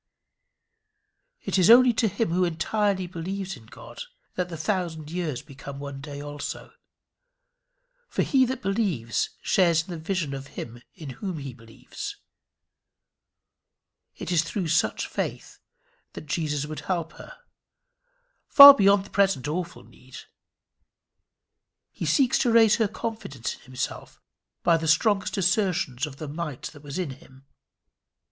It is only to him who entirely believes in God that the thousand years become one day also. For he that believes shares in the vision of him in whom he believes. It is through such faith that Jesus would help her far beyond the present awful need. He seeks to raise her confidence in himself by the strongest assertions of the might that was in him.